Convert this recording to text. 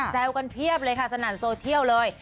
แซวกันเพียบเลยค่ะสนั่นโซเชียลเลย